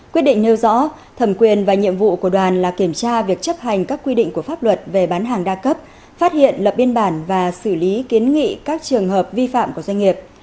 quyết định nêu rõ thẩm quyền và nhiệm vụ của đoàn là kiểm tra việc chấp hành các quy định của pháp luật về bán hàng đa cấp phát hiện lập biên bản và xử lý kiến nghị các trường hợp vi phạm của doanh nghiệp